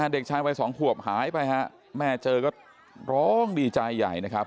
เด็กชายวัย๒ขวบหายไปฮะแม่เจอก็ร้องดีใจใหญ่นะครับ